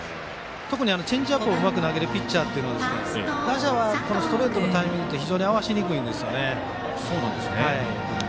特にチェンジアップをうまく投げるピッチャーというのは打者はストレートのタイミングって合わせづらいんですね。